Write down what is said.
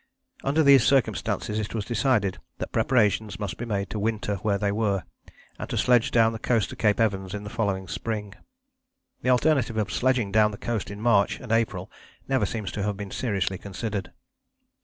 Under these circumstances it was decided that preparations must be made to winter where they were, and to sledge down the coast to Cape Evans in the following spring. The alternative of sledging down the coast in March and April never seems to have been seriously considered.